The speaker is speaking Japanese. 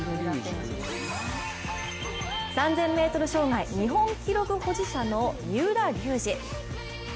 ３０００ｍ障害日本記録保持者の三浦龍司。